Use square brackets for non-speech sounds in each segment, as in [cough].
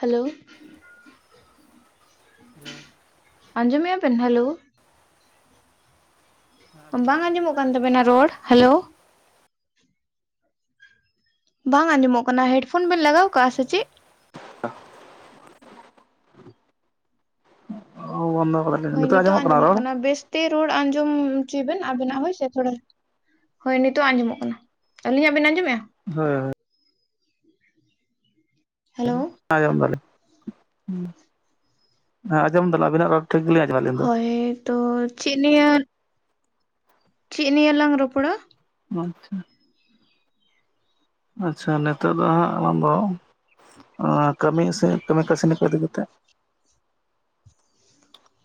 Hello [unintelligible] ᱟᱸᱡᱚᱢ ᱮᱫᱟ ᱵᱮᱱ ᱦᱮᱞᱳᱼᱼ ᱵᱟᱝ ᱟᱸᱡᱚᱢᱚᱜ ᱠᱟᱱ ᱛᱟᱵᱮᱱᱟ ᱨᱚᱲ ᱦᱮᱞᱳᱼᱼ ᱵᱟᱝ ᱟᱸᱡᱚᱢᱚᱜ ᱠᱟᱱᱟ, ᱦᱮᱰᱯᱷᱳᱱ ᱵᱮᱱ ᱞᱟᱜᱟᱣ ᱠᱟᱜᱼᱟ ᱥᱮ ᱪᱮᱫ? [unintelligible] ᱚ ᱵᱚᱱᱫᱚ ᱠᱟᱫᱟᱭ ᱦᱳᱭ ᱱᱤᱛᱚᱜ ᱟᱸᱡᱚᱢᱚᱜ ᱠᱟᱱᱟ ᱵᱮᱥᱛᱮ ᱨᱚᱲ ᱟᱸᱡᱚᱢ ᱦᱚᱪᱚᱭ ᱵᱮᱱ᱾ ᱟᱵᱮᱱᱟᱜ ᱦᱳᱭ ᱥᱮ ᱛᱷᱚᱲᱟ ᱦᱳᱭ ᱱᱤᱛᱚᱜ ᱟᱸᱡᱚᱢᱚᱜ ᱠᱟᱱᱟ᱾ ᱟᱹᱞᱤᱧᱟᱜ ᱵᱮᱱ ᱟᱸᱡᱚᱢᱮᱫᱼᱟ? ᱦᱳᱭ ᱦᱳᱭ ᱦᱮᱞᱳ ᱟᱸᱡᱚᱢ ᱫᱟᱞᱤᱧ, ᱦᱮᱸ ᱟᱸᱡᱚᱢ ᱫᱟᱞᱤᱧ, ᱟᱹᱵᱤᱱᱟᱜ ᱨᱚᱲ ᱴᱷᱤᱠ ᱜᱮᱞᱤᱧ ᱟᱸᱡ ᱦᱳᱭ ᱛᱚ ᱪᱮᱫ ᱱᱤᱭᱟᱹ? ᱪᱮᱫ ᱱᱤᱭᱟᱹᱞᱟᱝ ᱨᱚᱯᱚᱲᱟ? ᱟᱪᱪᱷᱟ ᱟᱪᱪᱷᱟ ᱱᱤᱛᱚᱜ ᱫᱚ ᱦᱟᱸᱜ ᱚᱱᱟᱫᱚ ᱠᱟᱹᱢᱤ ᱥᱮ ᱠᱟᱹᱢᱤ ᱠᱟᱹᱥᱱᱤ ᱠᱚ ᱤᱫᱤ ᱠᱟᱛᱮᱫ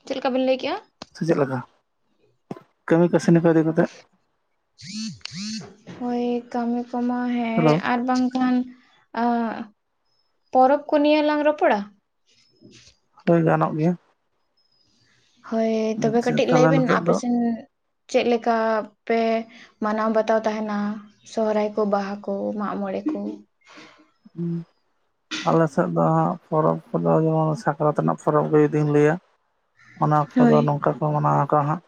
ᱪᱮᱫ ᱞᱮᱠᱟ ᱵᱤᱱ ᱞᱟᱹᱭ ᱠᱮᱫᱼᱟ? ᱥᱮ ᱪᱮᱫ ᱞᱮᱠᱟ ᱠᱟᱹᱢᱤ ᱠᱟᱹᱥᱱᱤ ᱠᱚ ᱤᱫᱤ ᱠᱟᱛᱮᱜ? ᱦᱳᱭ ᱠᱟᱹᱢᱤ ᱠᱚᱢᱟ ᱦᱮᱸ ᱦᱮᱞᱳ ᱟᱨ ᱵᱟᱝᱠᱷᱟᱱ ᱟ ᱯᱚᱨᱚᱵᱽ ᱠᱚ ᱱᱤᱭᱟᱹ ᱞᱟᱝ ᱨᱚᱯᱚᱲᱟ? ᱦᱳᱭ ᱜᱟᱱᱚᱜ ᱜᱮᱭᱟ᱾ ᱦᱳᱭ ᱛᱚᱵᱮ ᱟᱪᱪᱷᱟ ᱠᱟᱹᱴᱤᱡ ᱞᱟᱹᱭ ᱛᱟᱦᱚᱞᱮ ᱵᱤᱱ᱾ ᱱᱤᱛᱚᱜ ᱟᱯᱮ ᱫᱚ ᱥᱮᱱ ᱪᱮᱫ ᱞᱮᱠᱟ ᱯᱮ ᱢᱟᱱᱟᱣ ᱵᱟᱛᱟᱣ ᱛᱟᱦᱮᱱᱟ ᱥᱚᱦᱨᱟᱭ ᱠᱚ ᱵᱟᱦᱟ ᱠᱚ ᱢᱟᱜᱽᱢᱚᱬᱮ ᱠᱚ᱾ ᱦᱮᱸ [unintelligible] ᱟᱞᱮᱥᱮᱫ ᱫᱚ ᱦᱟᱜ ᱯᱚᱨᱚᱵᱽ ᱠᱚᱫᱚ ᱡᱮᱢᱚᱱ ᱥᱟᱠᱨᱟᱛ ᱨᱮᱱᱟᱜ ᱯᱚᱨᱚᱵᱽ ᱜᱮ ᱡᱩᱫᱤᱧ ᱞᱟᱹᱭᱟ᱾ ᱚᱱᱟ ᱠᱚᱫᱚ ᱦᱳᱭ ᱱᱚᱝᱠᱟ ᱠᱚ ᱢᱟᱱᱟᱣ ᱟᱠᱟᱜᱼᱟ ᱦᱟᱸᱜ᱾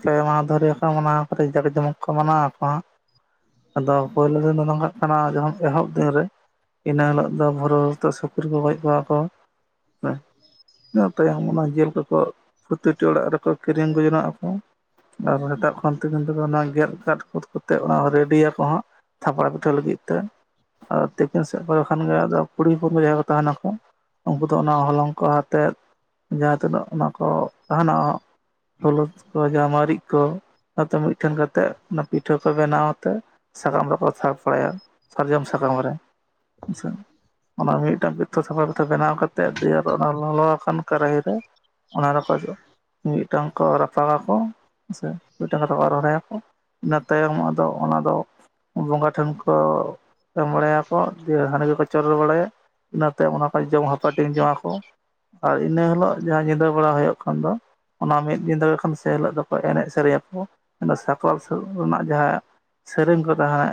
ᱯᱮ ᱢᱟᱦᱟ ᱫᱷᱩᱨᱤᱭᱟᱹ ᱠᱚ ᱢᱟᱱᱟᱣᱟ᱾ᱟᱹᱰᱤ ᱡᱟᱰᱮ ᱡᱚᱢᱚᱠ ᱠᱚ ᱢᱟᱱᱟᱣ ᱟᱠᱚ ᱦᱟᱸᱜ᱾ ᱟᱫᱚ ᱯᱳᱭᱞᱳ ᱫᱚ ᱱᱚᱝ ᱠᱟᱜ ᱠᱟᱱᱟ ᱡᱚᱢ ᱮᱦᱚᱵ ᱫᱤᱱ ᱨᱮ ᱤᱱᱟᱹ ᱦᱤᱞᱳᱜ ᱫᱚ ᱵᱷᱳᱨ ᱵᱷᱳᱨ ᱛᱮ ᱥᱩᱠᱨᱤ ᱠᱚ ᱜᱚᱡ ᱠᱚᱣᱟ ᱠᱚ ᱦᱮᱸ᱾ ᱤᱱᱟᱹ ᱛᱟᱭᱚᱢ ᱚᱱᱟ ᱡᱤᱞ ᱠᱚᱠᱚ ᱯᱨᱚᱛᱤᱴᱤ ᱚᱲᱟᱜ ᱨᱮᱠᱚ ᱠᱤᱨᱤᱧ ᱟᱹᱜᱩ ᱡᱚᱱᱚᱜ ᱟᱠᱚ᱾ ᱟᱨ ᱥᱮᱛᱟᱜ ᱠᱷᱚᱱ ᱛᱤᱠᱤᱱ ᱛᱮᱫᱚ ᱚᱱᱟ ᱜᱮᱫ ᱠᱚᱫ ᱠᱟᱛᱮᱫ ᱚᱱᱟ ᱨᱮᱰᱤᱭᱟ ᱠᱚ ᱦᱟᱜ᱾ ᱛᱷᱟᱯᱲᱟ ᱯᱤᱴᱷᱟᱹ ᱞᱟᱹᱜᱤᱫ ᱛᱮ, ᱟᱫᱚ ᱛᱤᱠᱤᱱ ᱥᱮᱫ ᱠᱚᱨᱮ ᱠᱷᱟᱱ ᱜᱮ ᱟᱫᱚ ᱠᱩᱲᱤ ᱦᱚᱯᱚᱱ ᱮᱦᱚᱵ ᱛᱟᱦᱮᱸᱱᱟᱠᱚ᱾ ᱩᱱᱠᱩ ᱫᱚ ᱚᱱᱟ ᱦᱚᱞᱚᱝ ᱠᱚ ᱟᱛᱮᱫ, ᱡᱟᱦᱟᱸ ᱛᱤᱱᱟᱹᱜ ᱚᱱᱟ ᱠᱚ ᱛᱟᱦᱮᱸᱱᱟ᱾ ᱦᱚᱞᱩᱫ ᱠᱚ ᱡᱟ ᱢᱟᱹᱨᱤᱪ ᱠᱚ ᱚᱱᱟᱛᱮ ᱢᱤᱫᱴᱷᱮᱱ ᱠᱟᱛᱮᱫ ᱚᱱᱟ ᱯᱤᱴᱷᱟᱹ ᱠᱚ ᱵᱮᱱᱟᱣ ᱟᱛᱮ ᱥᱟᱠᱟᱢ ᱨᱮᱠᱚ ᱥᱟᱵ ᱵᱟᱲᱟᱭᱟ ᱥᱟᱨᱡᱚᱢ ᱥᱟᱠᱟᱢ ᱨᱮ ᱥᱮᱻ ᱚᱱᱟ ᱨᱮ ᱢᱤᱫᱴᱟᱝ ᱯᱨᱤᱛᱷᱟᱹ ᱥᱟᱯᱷᱟ ᱯᱤᱛᱷᱟᱹ ᱵᱮᱱᱟᱣ ᱠᱟᱛᱮ [inaudible] ᱫᱤᱭᱮ ᱟᱫᱚ ᱚᱱᱟ ᱞᱚᱞᱚ ᱟᱠᱟᱱ ᱠᱟᱨᱟᱦᱤ ᱨᱮ ᱚᱱᱟ ᱨᱮᱠᱚ ᱡᱚᱜ ᱢᱤᱫᱴᱟᱝ ᱠᱚ ᱨᱟᱯᱟᱜᱟᱠᱚ ᱥᱮ ᱢᱤᱫᱴᱟᱝ ᱫᱚᱠᱚ ᱨᱚ-ᱨᱚᱭᱟᱠᱚ ᱾ ᱤᱱᱟᱹ ᱛᱟᱭᱚᱢ ᱟᱫᱚ ᱚᱱᱟᱫᱚ ᱵᱚᱸᱜᱟ ᱴᱷᱮᱱ ᱠᱚ ᱮᱢ ᱵᱟᱲᱟᱭᱟᱠᱚ ᱫᱤᱭᱮ ᱦᱟᱺᱰᱤ ᱠᱚᱠᱚ ᱪᱚᱰᱚᱨ ᱵᱟᱲᱟᱭᱟ ᱤᱱᱟᱹᱛᱟᱭᱚᱢ ᱚᱱᱟ ᱠᱚ ᱡᱚᱢ ᱦᱟᱯᱟᱴᱤᱧ ᱡᱚᱝ-ᱟᱸᱠᱚ᱾ ᱟᱨ ᱤᱱᱟᱹ ᱦᱤᱞᱳᱜ ᱡᱟᱦᱟᱸ ᱧᱤᱫᱟᱹ ᱵᱮᱲᱟ ᱦᱳᱭᱳᱜ ᱠᱟᱱ ᱫᱚ ᱚᱱᱟ ᱢᱤᱫ ᱫᱤᱱ ᱫᱚ ᱠᱷᱚᱱ ᱥᱮ ᱦᱤᱞᱳᱜ ᱫᱚᱠᱚ ᱮᱱᱮᱡ ᱥᱮᱨᱮᱭᱟᱠᱚ ᱢᱮᱱᱫᱚ ᱥᱟᱠᱨᱟᱛ ᱥᱩᱨᱩᱜ ᱨᱮᱱᱟᱜ ᱡᱟᱦᱟᱸ ᱥᱮᱨᱮᱧ ᱠᱚ ᱨᱟᱦᱟᱭ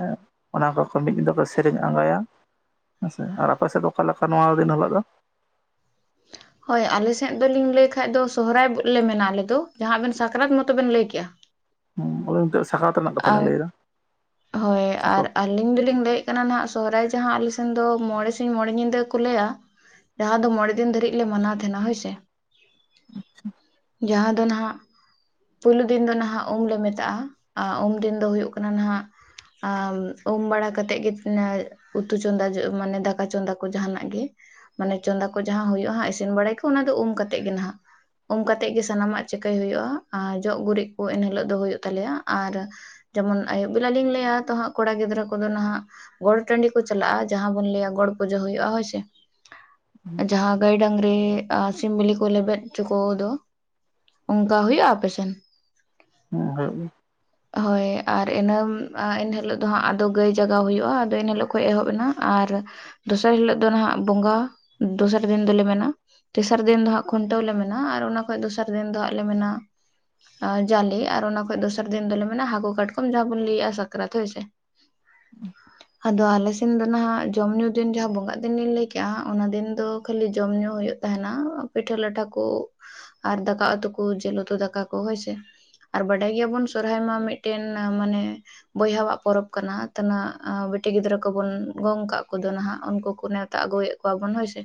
ᱚᱱᱟ ᱠᱚ ᱠᱷᱚᱱ ᱢᱤᱫ ᱫᱤᱱ ᱫᱚ ᱥᱮᱨᱮᱧ ᱟᱸᱜᱟᱭᱟ ᱦᱮᱸᱥᱮ, ᱟᱨ ᱟᱯᱮ ᱥᱮᱫ ᱫᱚ ᱚᱠᱟ ᱞᱮᱠᱟ ᱱᱚᱣᱟ ᱫᱤᱱ ᱦᱤᱞᱳᱜ ᱫᱚ? [inaudible] ᱦᱳᱭ ᱟᱞᱮ ᱥᱮᱫ ᱫᱚ ᱞᱤᱧ ᱞᱟᱹᱭ ᱠᱷᱟᱡ ᱫᱚ ᱥᱚᱦᱚᱨᱟᱭ ᱞᱮ ᱢᱮᱱᱟ ᱟᱞᱮ ᱫᱚ, ᱡᱟᱸᱦᱟ ᱟᱵᱮᱱ ᱥᱟᱠᱨᱟᱛ ᱢᱚᱛᱚ ᱵᱮᱱ ᱞᱟᱹᱭ ᱠᱮᱜᱼᱟ᱾ ᱦᱩᱸ [unintelligible] ᱟᱨ ᱦᱳᱭ ᱟᱨ ᱥᱟᱠᱨᱟᱛ ᱟᱞᱤᱧ ᱫᱚ ᱞᱤᱧ ᱞᱟᱹᱭ ᱮᱜ-ᱠᱟᱱᱟ ᱱᱟᱜ ᱥᱚᱦᱚᱨᱟᱭ ᱡᱟᱸᱦᱟ ᱟᱞᱮ ᱥᱮᱱ ᱫᱚ ᱢᱚᱸᱬᱮ ᱥᱤᱧ, ᱢᱚᱸᱬᱮ ᱧᱤᱫᱟᱹ ᱠᱚ ᱞᱟᱹᱭᱟ ᱡᱟᱸᱦᱟ ᱫᱚ ᱢᱚᱸᱬᱮ ᱫᱤᱱ ᱫᱷᱟᱹᱨᱤᱡ ᱞᱮ ᱢᱟᱱᱟᱣ ᱛᱟᱦᱮᱸᱱᱟ ᱦᱳᱭ ᱥᱮ, ᱡᱟᱸᱦᱟ ᱫᱚ ᱱᱟᱦᱟᱸᱜ ᱯᱳᱭᱞᱳ ᱫᱤᱱ ᱫᱚ ᱱᱟᱦᱟᱸᱜ ᱩᱢᱞᱮ ᱢᱮᱛᱟᱜᱼᱟ᱾ ᱟᱨ ᱩᱢ ᱫᱤᱱ ᱫᱚ ᱦᱩᱭᱩᱜ ᱠᱟᱱᱟ ᱱᱟᱦᱟᱸᱜ ᱟᱢ ᱩᱢ ᱵᱟᱲᱟ ᱠᱟᱛᱮᱫ ᱜᱮ ᱩᱛᱩ ᱪᱚᱸᱫᱟ ᱢᱟᱱᱮ ᱫᱟᱠᱟ ᱪᱚᱸᱫᱟ ᱠᱚ ᱡᱟᱸᱦᱟ ᱱᱟᱜ ᱜᱮ ᱢᱟᱱᱮ ᱪᱚᱸᱫᱟ ᱠᱚ ᱡᱟᱦᱟᱸ ᱦᱩᱭᱩᱜ-ᱟ ᱦᱟᱸᱜ ᱤᱥᱤᱱ ᱵᱟᱲᱟᱭ ᱠᱚ ᱚᱱᱟ ᱫᱚ ᱩᱢ ᱠᱟᱛᱮᱜ ᱜᱮ ᱱᱟᱦᱟᱜ ᱩᱢ ᱠᱟᱛᱮᱜ ᱜᱮ ᱥᱟᱱᱟᱢᱟᱜ ᱪᱮᱠᱟᱹᱭ ᱦᱩᱭᱩᱜ-ᱟ ᱟᱨ ᱡᱚᱜ ᱜᱩᱨᱤᱡ ᱠᱚ ᱮᱱ ᱦᱤᱞᱳᱜ ᱫᱚ ᱦᱩᱭᱩᱜ ᱛᱟᱞᱮᱭᱟ ᱟᱨ ᱡᱮᱢᱚᱱ ᱟᱹᱭᱩᱵ ᱵᱮᱞᱟ ᱞᱤᱧ ᱞᱟᱹᱭᱟ ᱛᱚ ᱦᱟᱸᱜ ᱠᱚᱲᱟ ᱜᱤᱫᱽᱨᱟᱹ ᱠᱚᱫᱚ ᱱᱟᱦᱟᱜ ᱜᱚᱴ ᱴᱟᱺᱰᱤ ᱠᱩ ᱪᱟᱞᱟᱜ-ᱟ ᱡᱟᱦᱟᱸ ᱵᱚᱱ ᱞᱟᱹᱭᱟ ᱜᱚᱲ ᱯᱩᱡᱟᱹ ᱦᱩᱭᱩᱜ-ᱟ ᱦᱳᱭ ᱥᱮ ᱡᱟᱦᱟᱸ ᱜᱟᱹᱭ ᱰᱟᱝᱨᱤ ᱟᱨ ᱥᱤᱢ ᱵᱤᱞᱤ ᱠᱚ ᱞᱮᱵᱮᱫ ᱦᱚᱪᱚ ᱠᱚ ᱫᱚ ᱚᱱᱠᱟ ᱦᱩᱭᱩᱜ-ᱟ ᱟᱯᱮ ᱥᱮᱱ? ᱦᱩᱸ ᱦᱩᱭᱩᱜ ᱜᱮ ᱦᱳᱭ ᱟᱨ ᱤᱱᱟᱹ ᱮᱱ ᱦᱤᱞᱳᱜ ᱫᱚ ᱦᱟᱸᱜ ᱟᱫᱚ ᱜᱟᱹᱭ ᱡᱟᱜᱟᱣ ᱦᱩᱭᱩᱜ-ᱟ ᱟᱫᱚ ᱤᱱ ᱦᱤᱞᱳᱜ ᱠᱷᱚᱱ ᱮᱦᱚᱵ ᱮᱱᱟ ᱟᱨ ᱫᱚᱥᱟᱨ ᱦᱤᱞᱳᱜ ᱫᱚ ᱱᱟᱦᱟᱸᱜ ᱵᱚᱸᱜᱟ ᱫᱚᱥᱟᱨ ᱫᱤᱱ ᱫᱚᱞᱮ ᱢᱮᱱᱟ ᱛᱮᱥᱟᱨ ᱫᱤᱱ ᱫᱚ ᱦᱟᱸᱜ ᱠᱷᱩᱱᱴᱟᱹᱣ ᱞᱮ ᱢᱮᱱᱟ ᱟᱨ ᱚᱱᱟ ᱠᱷᱚᱡ ᱫᱚᱥᱟᱨ ᱫᱤᱱ ᱫᱚ ᱦᱟᱸᱜ ᱞᱮ ᱢᱮᱱᱟ ᱟᱨ ᱡᱟᱞᱮ ᱟᱨ ᱚᱱᱟ ᱠᱷᱚᱡ ᱫᱚᱥ ᱛᱟᱠ ᱫᱤᱱ ᱫᱚᱞᱮ ᱢᱮᱱᱟ ᱦᱟᱹᱠᱩ ᱠᱟᱴᱠᱚᱢ ᱡᱟᱦᱟᱸ ᱵᱚᱱ ᱞᱟᱹᱭᱟ ᱥᱟᱠᱨᱟᱛ ᱦᱳᱭ ᱥᱮ [unintelligible] ᱟᱫᱚ ᱟᱞᱮ ᱥᱮᱱ ᱫᱚ ᱱᱟᱦᱟᱜ ᱡᱚᱢ ᱧᱩ ᱫᱤᱱ ᱡᱟᱸᱦᱟ ᱵᱚᱸᱜᱟᱜ ᱫᱤᱱ ᱞᱤᱧ ᱞᱟᱹᱭ ᱠᱮᱜᱼᱟ ᱚᱱᱟ ᱫᱤᱱ ᱫᱚ ᱠᱷᱟᱹᱞᱤ ᱡᱚᱢ ᱧᱩ ᱦᱩᱭᱩᱜ ᱛᱟᱸᱦᱮᱱᱟ ᱯᱤᱴᱷᱟᱹ ᱞᱟᱴᱷᱟ ᱠᱚ ᱟᱨ ᱫᱟᱠᱟ ᱩᱛᱩ ᱠᱩ ᱡᱤᱞ ᱩᱛᱩ ᱫᱟᱠᱟ ᱠᱩ ᱦᱳᱭ ᱥᱮ, ᱟᱨ ᱵᱟᱰᱟᱭ ᱜᱮᱭᱟ ᱵᱚᱱ ᱥᱚᱨᱦᱟᱭ ᱢᱟ ᱢᱤᱫ ᱴᱮᱱ ᱢᱟᱱᱮ ᱵᱚᱭᱦᱟᱣᱟᱜ ᱯᱚᱨᱚᱵᱽ ᱠᱟᱱᱟ ᱛᱤᱱᱟᱹᱜ ᱵᱤᱴᱤ ᱜᱤᱫᱽᱨᱟᱹ ᱠᱚᱵᱚᱱ ᱜᱚᱝ ᱠᱟᱜ ᱠᱚᱫᱚ ᱱᱟᱦᱟᱜ ᱩᱱᱠᱩ ᱠᱚ ᱱᱮᱣᱛ ᱛᱟᱜ ᱟᱹᱜᱩᱭ ᱮᱫ ᱠᱚᱣᱟ ᱵᱚᱱ ᱦᱳᱭ ᱥᱮ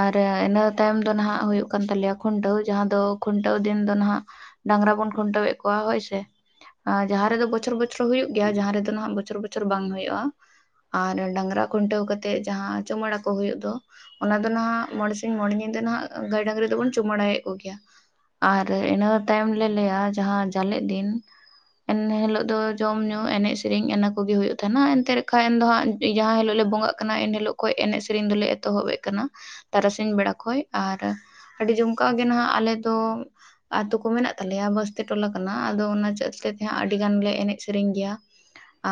ᱟᱨ ᱤᱱᱟᱹ ᱛᱟᱭᱚᱢ ᱫᱚ ᱱᱟᱦᱟᱜ ᱦᱩᱭᱩᱜ ᱠᱟᱱ ᱛᱟᱞᱮᱭᱟ ᱠᱷᱩᱱᱴᱟᱹᱣ ᱡᱟᱦᱟᱸ ᱫᱚ ᱠᱷᱩᱱᱴᱟᱹᱣ ᱫᱤᱱ ᱫᱚ ᱱᱟᱦᱟᱜ ᱰᱟᱝᱨᱟ ᱵᱚᱱ ᱠᱷᱩᱱᱴᱟᱹᱣ ᱮᱫ ᱠᱚᱣᱟ ᱦᱳᱭ ᱥᱮ ᱾ ᱟᱨ ᱡᱟᱦᱟᱸ ᱨᱮᱫᱚ ᱵᱚᱪᱷᱚᱨ ᱵᱚᱪᱷᱚᱨ ᱦᱩᱭᱩᱜ ᱜᱮᱭᱟ ᱡᱟᱦᱟᱸ ᱨᱮᱫᱚ ᱱᱟᱦᱟᱜ ᱵᱚᱪᱷᱚᱨ ᱵᱚᱪᱷᱚᱨ ᱵᱟᱝ ᱦᱩᱭᱩᱜ-ᱟ᱾ ᱟᱨ ᱰᱟᱝᱨᱟ ᱠᱷᱩᱱᱴᱟᱹᱣ ᱠᱟᱛᱮᱫ ᱡᱟᱦᱟᱸ ᱪᱩᱢᱟᱹᱲᱟ ᱠᱚ ᱦᱩᱭᱩᱜ ᱫᱚ ᱚᱱᱟ ᱫᱚ ᱱᱟᱦᱟᱜ ᱢᱚᱬᱮ ᱥᱤᱧ ᱢᱚᱬᱮ ᱧᱤᱫᱟᱹ ᱱᱟᱦᱟᱜ ᱜᱟᱹᱭ ᱰᱟᱝᱨᱤ ᱫᱚᱵᱚᱱ ᱪᱩᱢᱟᱹᱲᱟᱭ ᱮᱫ ᱠᱚ ᱜᱮᱭᱟ᱾ ᱟᱨ ᱤᱱᱟᱹ ᱛᱟᱭᱚᱢ ᱞᱮ ᱞᱟᱹᱭᱟ ᱡᱟᱦᱟᱸ ᱡᱟᱞᱮᱜ ᱫᱤᱱ ᱮᱱ ᱦᱤᱞᱳᱜ ᱫᱚ ᱡᱚᱢ ᱧᱩ ᱮᱱᱮᱡ ᱥᱮᱨᱮᱧ ᱤᱱᱟᱹ ᱠᱩᱜᱤ ᱦᱩᱭᱩᱜ ᱛᱟᱦᱮᱱᱟ ᱮᱱᱛᱮ ᱨᱮᱡ ᱠᱷᱟᱡ ᱮᱱ ᱫᱚ ᱦᱟᱸᱜ ᱡᱟᱦᱟᱸ ᱦᱤᱞᱳᱜ ᱞᱮ ᱵᱚᱸᱜᱟᱜ ᱠᱟᱱᱟ ᱮᱱ ᱦᱤᱞᱳᱜ ᱠᱷᱚᱡ ᱮᱱᱮᱡ ᱥᱮᱨᱮᱧ ᱫᱚᱞᱮ ᱮᱛᱚᱦᱚᱵ ᱮᱫ ᱠᱟᱱᱟ᱾ ᱛᱟᱨᱟᱥᱤᱧ ᱵᱮᱲᱟ ᱠᱷᱚᱡ ᱟᱨ ᱟᱹᱰᱤ ᱡᱷᱟᱢᱠᱟᱣ ᱜᱮ ᱱᱟᱦᱟᱜ ᱟᱞᱮ ᱫᱚ ᱟᱛᱳ ᱠᱚ ᱢᱮᱱᱟᱜ ᱛᱟᱞᱮᱭᱟ ᱵᱟᱥᱛᱮ ᱴᱚᱞᱟ ᱠᱚ ᱠᱟᱱᱟ ᱟᱫᱚ ᱚᱱᱟ ᱪᱮᱫ ᱛᱮᱜᱮ ᱦᱟᱸᱜ ᱟᱹᱰᱤ ᱜᱟᱱ ᱞᱮ ᱮᱱᱮᱡ ᱥᱮᱨᱮᱧ ᱜᱮᱭᱟ᱾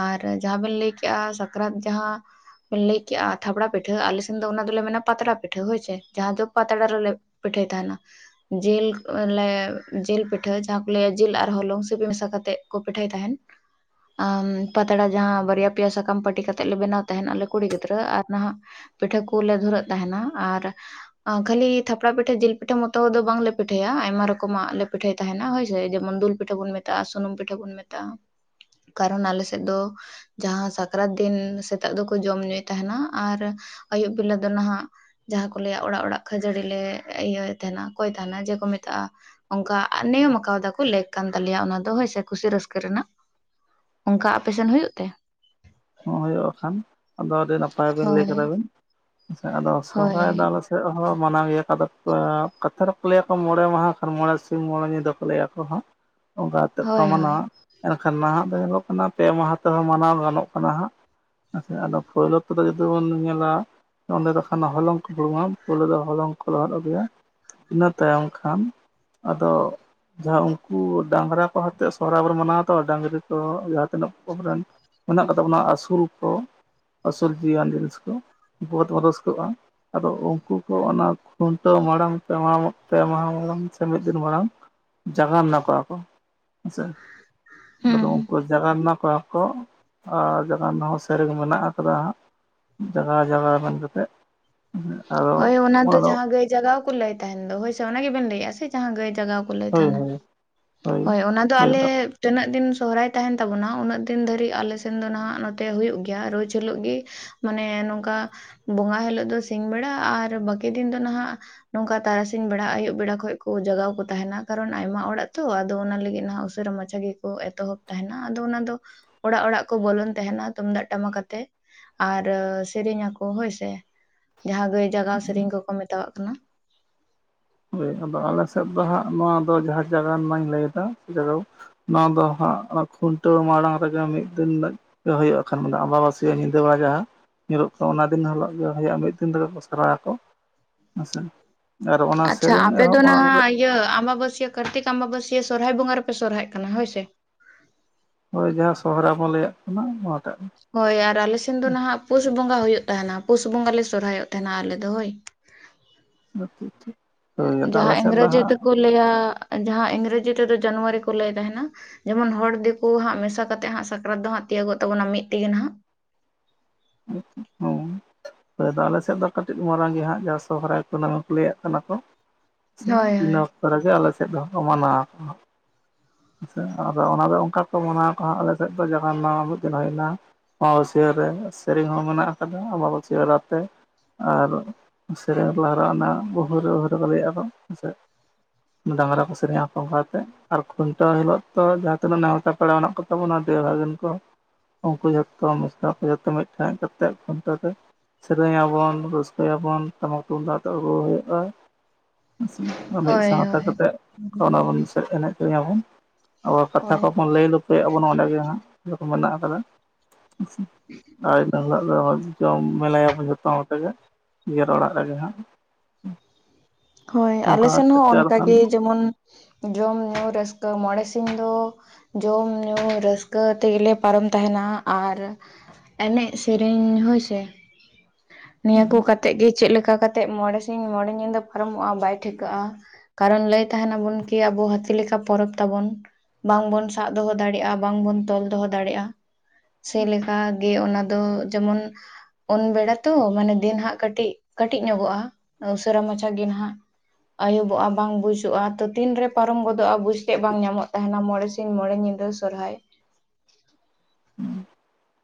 ᱟᱨ ᱡᱟᱦᱟᱸ ᱵᱮᱱ ᱞᱟᱹᱭ ᱠᱮᱜ-ᱟ ᱥᱟᱠᱨᱟᱛ ᱡᱟᱦᱟᱸ ᱵᱮᱱ ᱞᱟᱹᱭ ᱠᱮᱜ-ᱟ ᱛᱷᱟᱯᱲᱟ ᱯᱤᱴᱷᱟᱹ ᱟᱞᱮ ᱥᱮᱱ ᱫᱚ ᱚᱱᱟ ᱫᱚᱞᱮ ᱢᱮᱱᱟ ᱯᱟᱛᱲᱟ ᱯᱤᱴᱷᱟᱹ ᱦᱳᱭ ᱥᱮ ᱡᱟᱦᱟᱸ ᱫᱚ ᱯᱟᱛᱲᱟ ᱨᱮᱞᱮ ᱯᱤᱴᱷᱟᱹᱭ ᱛᱟᱦᱮᱱᱟ ᱡᱤᱞ ᱞᱮ ᱡᱤᱞ ᱯᱤᱴᱷᱟᱹ ᱡᱟᱦᱟᱸ ᱠᱚ ᱞᱟᱹᱭᱟ ᱡᱤᱞ ᱟᱨ ᱦᱚᱞᱚᱝ ᱥᱤᱯᱤ ᱢᱮᱥᱟ ᱠᱟᱛᱮᱫ ᱠᱚ ᱯᱤᱴᱷᱟᱭ ᱛᱟᱦᱮᱱ ᱾ ᱟᱢ ᱯᱟᱛᱲᱟ ᱡᱟᱦᱟᱸ ᱵᱟᱨᱭᱟ ᱯᱮᱭᱟ ᱥᱟᱠᱟᱢ ᱯᱟᱹᱴᱤ ᱠᱟᱛᱮᱫ ᱞᱮ ᱵᱮᱱᱟᱣ ᱛᱟᱦᱮᱱ ᱟᱞᱮ ᱠᱩᱲᱤ ᱜᱤᱫᱽᱨᱟᱹ ᱟᱨ ᱱᱟᱦᱟᱜ ᱯᱤᱴᱷᱟᱹ ᱠᱚᱞᱮ ᱫᱷᱩᱨᱟᱹᱜ ᱛᱟᱦᱮᱱᱟ ᱟᱨ ᱠᱷᱟᱹᱞᱤ ᱛᱷᱟᱯᱲᱟ ᱯᱤᱴᱷᱟᱹ ᱡᱤᱞ ᱯᱤᱴᱷᱟᱹ ᱢᱚᱛᱚ ᱫᱚ ᱵᱟᱝ ᱞᱮ ᱯᱤᱴᱷᱟᱹᱭᱟ ᱟᱭᱢᱟ ᱨᱚᱠᱚᱢᱟᱜ ᱞᱮ ᱯᱤᱴᱷᱟᱹᱭ ᱛᱟᱦᱮᱱᱟ ᱦᱳᱭ ᱥᱮ ᱡᱮᱢᱚᱱ ᱫᱩᱞ ᱯᱤᱴᱷᱟᱹ ᱵᱚᱱ ᱢᱮᱛᱟᱜ-ᱟ ᱥᱩᱱᱩᱢ ᱯᱤᱴᱷᱟᱹ ᱵᱚᱱ ᱢᱮᱛᱟᱜ-ᱟ ᱠᱟᱨᱚᱱ ᱟᱞᱮ ᱥᱮᱫ ᱫᱚ ᱡᱟᱦᱟᱸ ᱥᱟᱠᱨᱟᱛ ᱫᱤᱱ ᱥᱮᱛᱟᱜ ᱫᱚᱠᱚ ᱡᱚᱢ ᱧᱩᱭ ᱛᱟᱦᱮᱱᱟ ᱟᱨ ᱟᱹᱭᱩᱵ ᱵᱮᱞᱟ ᱫᱚ ᱱᱟᱦᱟᱜ ᱡᱟᱦᱟᱸ ᱠᱚ ᱞᱟᱹᱭᱟ ᱚᱲᱟᱜ ᱚᱲᱟᱜ ᱠᱷᱟᱹᱡᱟᱹᱲᱤ ᱞᱮ ᱤᱭᱟᱹ ᱛᱟᱦᱮᱱᱟ ᱠᱚᱭ ᱛᱟᱦᱮᱱᱟ ᱡᱮᱠᱚ ᱢᱮᱛᱟᱜ-ᱟ᱾ ᱚᱱᱠᱟ ᱱᱤᱭᱚᱢ ᱠᱟᱣᱫᱟ ᱠᱚ ᱠᱩ ᱞᱮᱠ ᱠᱟᱱ ᱛᱟᱞᱮᱭᱟ ᱚᱱᱟ ᱫᱚ ᱦᱳᱭ ᱥᱮ ᱠᱷᱩᱥᱤ ᱨᱟᱹᱥᱠᱟᱹ ᱨᱮᱱᱟᱜ ᱚᱱᱠᱟ ᱟᱯᱮ ᱥᱮᱱ ᱦᱩᱭᱩᱜ ᱛᱮ? ᱦᱚᱸ ᱦᱩᱭᱩᱜ ᱠᱷᱟᱱ ᱟᱫᱚ ᱟᱹᱰᱤ ᱱᱟᱯᱟᱭ ᱵᱤᱱ ᱞᱟᱹᱭ ᱦᱳᱭ ᱠᱮᱫᱟ ᱵᱤᱱ ᱥᱮ ᱟᱫᱚ ᱦᱳᱭ ᱥᱚᱦᱨᱟᱭ ᱫᱚ ᱟᱞᱮ ᱥᱮᱫ ᱥᱮᱫ ᱦᱚ ᱢᱟᱱᱟᱣ ᱜᱮᱭᱟ ᱠᱚ ᱟᱫᱚ ᱠᱟᱛᱷᱟ ᱨᱮᱠᱚ ᱞᱟᱹᱭ ᱟᱠᱚ ᱢᱚᱬᱮ ᱢᱟᱦᱟ ᱠᱷᱟᱱ ᱢᱚᱬᱮ ᱥᱤᱧ ᱢᱚᱬᱮ ᱧᱤᱫᱟᱹ ᱠᱚ ᱞᱟᱹᱭᱟ ᱠᱚ ᱦᱟᱸᱜ ᱚᱱᱠᱟ ᱠᱟᱛᱮᱫ ᱠᱚ ᱦᱳᱭ ᱦᱳᱭ ᱢᱟᱱᱟᱣᱟ ᱮᱱᱠᱷᱟᱱ ᱱᱟᱦᱟᱜ ᱫᱚ ᱧᱮᱞᱚᱜ ᱠᱟᱱᱟ ᱯᱮ ᱢᱟᱦᱟ ᱛᱮᱦᱚᱸ ᱢᱟᱱᱟᱣ ᱜᱟᱱᱚᱜ ᱠᱟᱱᱟ ᱦᱟᱸᱜ ᱟᱪᱪᱷᱟ ᱟᱫᱚ ᱯᱳᱭᱞᱳ ᱛᱚᱫᱚ ᱡᱩᱫᱤ ᱵᱚᱱ ᱧᱮᱞᱟ ᱚᱸᱰᱮ ᱫᱚ ᱠᱷᱟᱱ ᱦᱚᱞᱚᱝ ᱠᱚ ᱦᱩᱲᱩᱝᱟ ᱯᱳᱭᱞᱳ ᱫᱚ ᱦᱚᱞᱚᱝ ᱠᱚ ᱞᱚᱦᱚᱫ ᱟᱹᱜᱩᱭᱟ᱾ ᱤᱱᱟᱹ ᱛᱟᱭᱚᱢ ᱠᱷᱟᱱ ᱟᱫᱚ ᱡᱟᱦᱟᱸ ᱩᱱᱠᱩ ᱰᱟᱝᱨᱟ ᱠᱚ ᱦᱟᱛᱮ ᱥᱚᱦᱨᱟᱭ ᱵᱚᱱ ᱢᱟᱱᱟᱣ ᱫᱚ ᱰᱟᱝᱨᱤ ᱠᱚ ᱡᱟᱦᱟᱸ ᱛᱤᱱᱟᱹᱜ ᱠᱚ ᱢᱮᱱᱟᱜ ᱠᱚ ᱛᱟᱵᱚᱱᱟ ᱟᱹᱥᱩᱞ ᱠᱚ ᱟᱹᱥᱩᱞ ᱡᱤᱣᱤᱭᱟᱱ ᱡᱤᱱᱤᱥ ᱠᱚ ᱩᱱᱠᱩ ᱦᱚᱛᱮ ᱵᱚ ᱨᱟᱹᱥᱠᱟᱹᱜ-ᱟ᱾ ᱟᱫᱚ ᱩᱱᱠᱩ ᱠᱚ ᱚᱱᱟ ᱠᱷᱩᱱᱴᱟᱹᱣ ᱢᱟᱲᱟᱝ ᱯᱮ ᱢᱟᱦᱟ ᱢᱟᱹᱜ ᱯᱮ ᱢᱟᱦᱟ ᱢᱟᱲᱟᱝ ᱥᱮ ᱢᱤᱫ ᱫᱤᱱ ᱢᱟᱲᱟᱝ ᱡᱟᱜᱟᱱᱟ ᱠᱚᱣᱟ ᱠᱚ ᱦᱮᱸ ᱥᱮ ᱟᱫᱚ ᱦᱩᱸ ᱩᱱᱠᱩ ᱡᱟᱜᱟᱱᱟ ᱠᱚᱣᱟ ᱠᱚ ᱟᱨ ᱡᱟᱜᱟᱱᱟ ᱦᱚᱸ ᱥᱮᱨᱮᱧ ᱢᱮᱱᱟᱜ ᱟᱠᱟᱫᱟ ᱦᱟᱸᱜ ᱡᱟᱜᱟ ᱡᱟᱜᱟ ᱢᱮᱱ ᱠᱟᱛᱮᱫ᱾ ᱦᱳᱭ ᱚᱱᱟ ᱫᱚ ᱡᱟᱦᱟᱸ ᱜᱟᱹᱭ ᱡᱟᱜᱟᱣ ᱠᱚ ᱞᱟᱹᱭ ᱛᱟᱦᱮᱱ ᱫᱚ ᱦᱳᱭ ᱥᱮ ᱚᱱᱟ ᱜᱮ ᱵᱮᱱ ᱞᱟᱹᱭᱮᱜ-ᱟ ᱥᱮ ᱡᱟᱦᱟᱸ ᱜᱟᱹᱭ ᱡᱟᱜᱟᱣ ᱦᱳᱭ ᱛᱟᱦᱮᱱᱟ ᱦᱳᱭ ᱦᱳᱭ ᱚᱱᱟ ᱫᱚ ᱦᱳᱭ ᱟᱞᱮ ᱛᱤᱱᱟᱹᱜ ᱫᱤᱱ ᱥᱚᱦᱚᱨᱟᱭ ᱛᱟᱦᱮᱱ ᱛᱟᱵᱚᱱᱟ ᱩᱱᱟᱹᱜ ᱫᱤᱱ ᱫᱷᱟᱹᱨᱤᱜ ᱟᱞᱮᱮᱥᱱ ᱫᱚ ᱱᱟᱦᱟᱜ ᱱᱚᱛᱮ ᱦ ᱦᱩᱭᱩᱜᱭᱳᱜ ᱜᱮᱭᱟ ᱨᱳᱡ ᱦᱤᱞᱳᱜ ᱜᱮ ᱢᱟᱱᱮ ᱱᱚᱝᱠᱟ ᱵᱚᱸᱜᱟ ᱦᱤᱞᱳᱜ ᱫᱚ ᱥᱤᱧ ᱵᱮᱲᱟ ᱟᱨ ᱵᱟᱹᱠᱤ ᱫᱤᱱ ᱫᱚ ᱱᱟᱦᱟᱜ ᱱᱚᱝᱠᱟ ᱛᱟᱨᱟᱥᱤᱧ ᱵᱮᱲᱟ ᱟᱭᱭᱩᱵ ᱵᱮᱲᱟ ᱠᱷᱚᱱ ᱠᱚ ᱡᱟᱜᱟᱣ ᱠᱚ ᱛᱟᱦᱮᱱᱟ ᱠᱟᱨᱚᱱ ᱟᱭᱢᱟ ᱚᱲᱟᱜ ᱛᱚ ᱟᱫᱚ ᱚᱱᱟ ᱞᱟᱹᱜᱤᱫ ᱩᱥᱟᱹᱨᱟ ᱢ ᱢᱟᱪᱷᱟ ᱜᱮᱠᱚ ᱮᱛᱚᱦᱚᱵ ᱛᱟᱦᱮᱱᱟ ᱟᱫᱚ ᱚᱱᱟ ᱫᱚ ᱚᱲᱟᱜ ᱚᱲᱟᱜ ᱠᱚ ᱵᱚᱞᱚᱱ ᱛᱟᱦᱮᱱᱟ ᱛᱩᱢᱫᱟᱜ ᱴᱟᱢᱟᱠᱛᱮ ᱾ ᱟᱨ ᱥᱮᱨᱮᱧ ᱟᱠᱚ ᱦᱳᱭᱥᱮ ᱡᱟᱦᱟ ᱜᱟᱹᱭ ᱡᱟᱜᱟᱣ ᱥᱮᱨᱮᱧ ᱠᱚᱠᱚ ᱢᱮᱛᱟᱣᱟᱜ ᱠᱟᱱᱟ ᱾ ᱦᱳᱤ ᱟᱫᱚ ᱟᱞᱮ ᱥᱮᱫ ᱫᱚ ᱦᱟᱸᱜ ᱱᱚᱣᱟ ᱫᱚ ᱡᱟᱦᱟᱸ ᱡᱟᱜᱟᱣ ᱱᱚᱣᱟᱧ ᱞᱟᱹᱭᱮᱫᱟ ᱡᱟᱜᱟᱣ ᱱᱚᱣᱟ ᱫᱚ ᱦᱟᱸᱜ ᱚᱱᱟ ᱠᱷᱩᱱᱴᱟᱹᱣ ᱢᱟᱲᱟᱝ ᱨᱮᱜᱮ ᱢᱤᱫ ᱫᱤᱱ ᱦᱩᱭᱩᱜ ᱠᱷᱟᱱ ᱟᱢᱵᱟᱵᱟᱹᱥᱤᱭ ᱧᱤᱫᱟᱹ ᱭᱟᱜ ᱡᱟᱦᱟᱸ ᱧᱮᱞᱚᱜ ᱠᱟᱱᱟ ᱚᱱᱟ ᱫᱤᱱ ᱦᱤᱞᱳᱜ ᱜᱮ ᱦᱩᱭᱩᱜᱼᱟ ᱢᱤᱫ ᱫᱤᱱ ᱛᱮᱜᱮ ᱠᱚ ᱥᱮᱨᱟᱭᱟᱠᱚ ᱦᱮᱸᱥᱮ ᱟᱨ ᱚᱱᱟ ᱟᱪᱪᱷᱟ ᱥᱮᱨᱮᱧ ᱟᱯᱮ ᱮᱦᱚᱵ ᱫᱚ ᱢᱟᱲᱟᱝ ᱨᱮ ᱱᱟᱦᱟᱜ ᱤᱭᱟᱹ ᱟᱢᱵᱟᱵᱟᱹᱥᱭᱟ. ᱠᱟᱨᱛᱤᱠ ᱟᱢᱵᱟᱵᱟᱹᱥᱭᱟᱹ ᱥᱚᱨᱦᱟᱭ ᱵᱚᱸᱜᱟ ᱨᱮᱯᱮ ᱥᱚᱨᱦᱟᱭᱚᱜ ᱠᱟᱱᱟ ᱦᱳᱭ ᱥᱮ ᱦᱳᱭ ᱡᱟᱦᱟᱸ ᱥᱚᱦᱚᱨᱟᱭ ᱵᱚᱱ ᱞᱮᱭᱟᱜ ᱠᱟᱱᱟ ᱱᱚᱣᱟᱴᱟᱜ ᱜᱮ ᱦᱳᱭ ᱟᱨ ᱟᱞᱮᱥᱱ ᱫᱚ ᱱᱟᱦᱟᱜ ᱯᱳᱥ ᱵᱚᱸᱜᱟ ᱦᱩᱭᱩᱜ ᱛᱟᱦᱮᱱᱟ ᱯᱳᱥ ᱵᱚᱸᱜᱟ ᱞᱮ ᱥᱚᱨᱦᱟᱭᱚᱜ ᱛᱟᱦᱮᱱᱟ ᱟᱞᱮ ᱫᱚ ᱦᱳᱭ ᱟᱪᱪᱷᱟ ᱟᱪᱪᱷᱟ ᱡᱟᱦᱟᱸ ᱤᱝᱨᱮᱡᱤ ᱛᱮᱠᱚ ᱞᱟᱹᱭᱟ ᱡᱟᱦᱟᱸ ᱤᱝᱨᱮᱡᱤ ᱛᱮᱫᱚ ᱡᱟᱱᱩᱣᱟᱨᱤ ᱠᱚ ᱞᱟᱹᱭ ᱛᱟᱦᱮᱱᱟ ᱡᱮᱢᱚᱱ ᱦᱚᱲ ᱫᱤᱠᱩ ᱦᱟᱸᱜ ᱢᱮᱥᱟ ᱠᱟ ᱠᱟᱛᱮᱜ ᱦᱟᱸᱜ ᱥᱟᱠᱨᱟᱛ ᱫᱚ ᱦᱟᱸᱜ ᱛᱤᱭᱳᱟᱹᱜᱚᱜ ᱛᱟᱵᱚᱱᱟ ᱢᱤᱫ ᱛᱮᱜᱮ ᱱᱟᱦᱟᱜ [unintelligible] ᱦᱳᱭ ᱫᱚ ᱟᱞᱮᱥᱮᱫ ᱫᱚ ᱠᱟᱹᱴᱤᱡ ᱢᱟᱨᱟᱝ ᱜᱮ ᱦᱟᱸᱜ ᱡᱟᱦᱟᱸ ᱥᱚᱦᱨᱟᱭ ᱠᱩᱱᱟᱹᱢᱤ ᱠᱚ ᱞᱟᱹᱭᱟᱜ ᱠᱟᱱᱟ ᱠᱚ ᱦᱳᱭ ᱤᱱᱟᱹ ᱦᱳᱭ ᱚᱠᱛᱚ ᱨᱮᱜᱮ ᱟᱞᱮ ᱥᱮᱫ ᱦᱚᱸᱠᱚ ᱢᱟᱱᱟᱣ ᱟᱠᱚ ᱦᱟᱸᱜ ᱦᱮ ᱥᱮ ᱟᱫᱚ ᱚᱱᱟᱫᱚ ᱚᱱᱠᱟ ᱠᱚ ᱢᱟᱱᱟᱣ ᱠᱚ ᱦᱟᱸᱜ ᱟᱞᱮ ᱥᱮᱫ ᱫᱚ ᱡᱟᱦᱟᱸ ᱢᱤᱫ ᱫᱤᱱ ᱦᱩᱭᱱᱟ ᱟᱢᱵᱟᱹᱥᱭᱟᱹ ᱨᱮ ᱥᱮᱨᱮᱧ ᱦᱚᱸ ᱢᱮᱱᱟᱜ ᱟᱠᱟᱫᱟ ᱟᱢᱵᱟᱹᱥᱭᱟᱹᱛᱮ ᱟᱨ ᱥᱮᱨᱮᱧ ᱞᱟᱦᱟᱨᱮ ᱚᱱᱟ [unintelligible] ᱞᱟ. ᱭ ᱟᱠᱚ ᱦᱮᱸ ᱥᱮ ᱰᱟᱝᱨᱟ ᱠᱚ ᱥᱮᱨᱮᱧᱟ ᱚᱱᱠᱟ ᱠᱟᱛᱮ ᱟᱨ ᱠᱷᱩᱱᱴᱟᱹᱣ ᱦᱤᱞᱳᱜ ᱛᱚ ᱡᱟᱦᱟᱸ ᱛᱤᱱᱟᱹᱜ ᱱᱮᱣᱛᱟ ᱯᱮᱲᱟ ᱢᱮᱱᱟᱜ ᱠᱚ ᱛᱟᱵᱚᱱᱟ ᱫᱮ [unintelligible] ᱠᱚ ᱩᱱᱠᱩ ᱡᱚᱛᱚ ᱢᱮᱥᱟ ᱠᱚ ᱡᱟᱛᱮ ᱢᱤᱫ ᱴᱷᱮᱱ ᱦᱮᱡ ᱠᱟᱛᱮ ᱠᱷᱚᱱᱴᱟ. ᱣ ᱨᱮ ᱥᱮᱨᱮᱧᱟᱵᱚᱱ ᱨᱟᱹᱥᱠᱟᱹᱭᱟᱵᱚᱱ ᱴᱟᱢᱟᱠ ᱛᱩᱢᱫᱟᱜ ᱛᱮ ᱨᱩ ᱦᱩᱭᱩᱜᱼᱟ ᱦᱮᱸᱥᱮ ᱢᱤᱫ ᱦᱳᱭ ᱥᱟᱶᱛᱮ ᱠᱟᱛᱮ ᱦᱳᱭ ᱚᱸᱰᱮ ᱵᱚᱱ ᱮᱱᱮᱡ ᱥᱮᱨᱮᱧᱟ ᱵᱚᱱ ᱟᱵᱚ ᱠᱟᱛᱷᱟ ᱦᱳᱭ ᱠᱚᱵᱚᱱ ᱞᱟᱹᱭ ᱞᱟᱹᱭᱟᱜ ᱟᱵᱚᱱ ᱚᱸᱰᱮ ᱜᱤ ᱦᱟᱸᱜ ᱡᱚᱢ ᱢᱮᱱᱟᱜ ᱟᱠᱟᱫᱟ ᱟᱨ ᱤᱱᱟᱹ ᱦᱤᱞᱳᱜ ᱫᱚ ᱡᱚᱢ ᱢᱮᱥᱟᱭᱟᱵ ᱡᱚᱛᱚ ᱦᱚᱲ ᱛᱮᱜᱮ ᱱᱤᱡᱮᱨ ᱚᱲᱟᱜ ᱨᱮᱜᱮ ᱦᱟᱸᱜ ᱦᱳᱭ ᱟᱞᱮ ᱚᱱᱠᱟ ᱥᱮᱱ ᱠᱟᱛᱮᱫ ᱦᱚᱸ ᱜᱮ ᱟᱨ ᱚᱱᱠᱟᱜᱮ ᱵᱟᱠᱷᱟᱱ ᱡᱮᱢᱚᱱ ᱡᱚᱢ ᱧᱩ ᱨᱟᱹᱥᱠᱟᱹ ᱢᱚᱬᱮ ᱥᱤᱧ ᱫᱚ ᱡᱚᱢ ᱧᱩ ᱨᱟᱹᱥᱠᱟᱹ ᱛᱮᱜᱮᱞᱮ ᱯᱟᱨᱚᱢ ᱛᱟᱦᱮᱱᱟ ᱟᱨ ᱮᱱᱮᱡ ᱥᱮᱨᱮᱧ ᱦᱚᱳᱭ ᱥᱮ ᱱᱤᱭᱟᱹ ᱠᱚ ᱠᱟᱛᱮᱜ ᱜᱮ ᱪᱮᱫ ᱞᱮᱠᱟ ᱠᱟᱛᱮᱜ ᱢᱚᱬᱮ ᱥᱤᱧ ᱢᱚᱬᱮ ᱧᱤᱫᱟᱹ ᱯᱟᱨᱚᱢᱚᱜᱼᱟ ᱵᱟᱭ ᱴᱷᱤᱠᱟᱹᱜᱼᱟ ᱠᱟᱨᱚᱱ ᱞᱟᱹᱭ ᱛᱟᱦᱮᱱᱟᱵᱚᱱ ᱠᱤ ᱟᱵᱚ ᱦᱟᱹᱛᱤ ᱞᱮᱠᱟ ᱯᱚᱨᱚᱵᱽ ᱛᱟᱵᱚᱱ ᱵᱟᱝ ᱵᱚᱱ ᱥᱟᱵ ᱫᱚᱦᱚ ᱫᱟᱲᱭᱟᱜᱼᱟ ᱵᱟᱝ ᱵᱚᱱ ᱛᱚᱞ ᱫᱚᱦᱚ ᱫᱟᱲᱮᱭᱟᱜᱼᱟ ᱥᱮᱞᱮᱠᱟ ᱜᱮ ᱚᱱᱟ ᱫᱚ ᱡᱮᱢᱚᱱ ᱩᱱ ᱵᱮᱲᱟ ᱛᱚ ᱢᱟᱱᱮ ᱫᱤᱱ ᱦᱟᱸᱜ ᱠᱟᱹᱴᱤᱡ ᱠᱟᱹᱴᱤᱡ ᱧᱚᱜᱚᱜᱼᱟ ᱩᱥᱟᱹᱨᱟ ᱢᱟᱪᱷᱟ ᱜᱤ ᱱᱟᱦᱟᱜ ᱟᱹᱭᱩᱵᱚᱜᱼᱟ ᱵᱟᱝ ᱵᱩᱡᱩᱜᱼᱟ ᱛᱚ ᱛᱤᱱ ᱨᱮ ᱯᱟᱨᱚᱢ ᱜᱚᱫᱚᱜᱼᱟ ᱵᱩᱡ ᱛᱮᱜ ᱵᱟᱝ ᱧᱟᱢᱚᱜ ᱛᱟᱦᱮᱱᱟ ᱢᱚᱬᱮ ᱥᱤᱧ ᱢᱚᱬᱮ ᱧᱤᱫᱟᱹ ᱥᱚᱨᱦᱟᱭ [unintelligible]